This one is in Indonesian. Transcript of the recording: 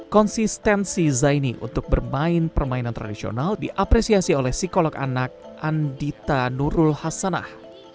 konsistensi zaini untuk bermain permainan tradisional diapresiasi oleh psikolog anak andita nurul hasanah